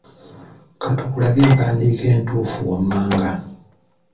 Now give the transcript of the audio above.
Ka tukulage empandiika entuufu wammanga.